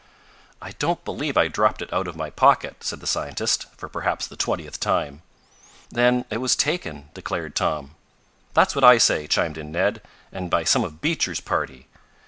"I don't believe I dropped it out of my pocket," said the scientist, for perhaps the twentieth time. "Then it was taken," declared Tom. "That's what I say!" chimed in Ned. "And by some of Beecher's party!"